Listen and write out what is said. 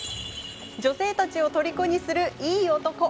女性たちをとりこにするいい男。